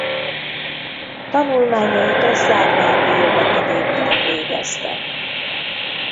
Tanulmányait a zágrábi jogakadémián végezte.